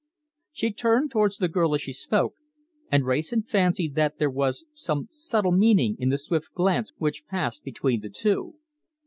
She turned towards the girl as she spoke, and Wrayson fancied that there was some subtle meaning in the swift glance which passed between the two.